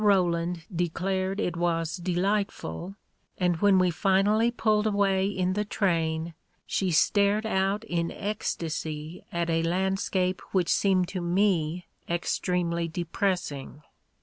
Roland declared it was delightful, and when we finally pulled away in the train, she stared out in ecstasy at a landscape which seemed to me extremely depress ing.